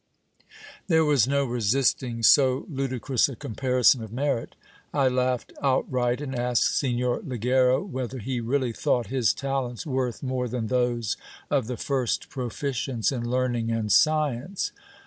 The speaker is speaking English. There was no resisting so ludicrous a comparison of merit ; I laughed out right, and asked Signor Ligero whether he really thought his talents worth more than those of the first proficients in learning and science.